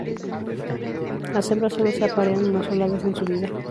Las hembras solo se aparean una sola vez en su vida.